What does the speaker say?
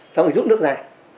xong rồi rút nước ra